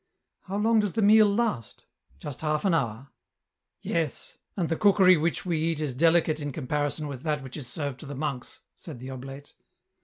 " How long does the meal last ?"" Just half an hour." " Yes ; and the cookery which we eat is delicate in comparison with that which is served to the monks," said the oblate.